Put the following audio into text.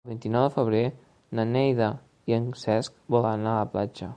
El vint-i-nou de febrer na Neida i en Cesc volen anar a la platja.